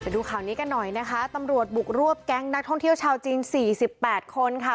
ดูข่าวนี้กันหน่อยนะคะตำรวจบุกรวบแก๊งนักท่องเที่ยวชาวจีน๔๘คนค่ะ